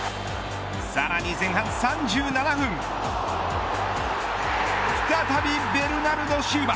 さらに前半３７分再びベルナルド・シウバ。